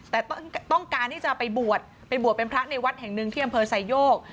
แต่ต้องการที่จะไปบวชไปบวชเป็นพระในวัดแห่งหนึ่งที่อำเภอไซโยก